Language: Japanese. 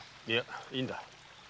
いやいいんだ。